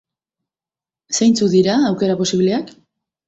Zeintzuk dira aukera posibleak?